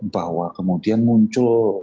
bahwa kemudian muncul